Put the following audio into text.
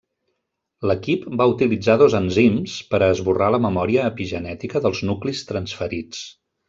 L'equip va utilitzar dos enzims per a esborrar la memòria epigenètica dels nuclis transferits.